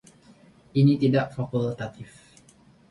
Ini tidak fakultatif.